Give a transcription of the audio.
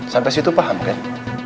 sampai situ paham kan